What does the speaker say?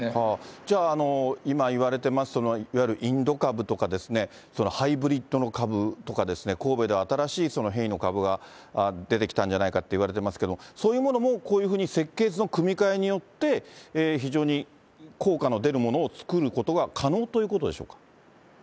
じゃあ、今いわれています、いわゆるインド株とか、ハイブリッドの株とか、神戸で新しい変異の株が出てきたんじゃないかっていわれてますけれども、そういうものもこういうふうに設計図の組み換えによって、非常に効果の出るものを作ることが可能ということでしょうか。